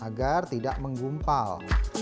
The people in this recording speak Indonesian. agar tidak menggumpal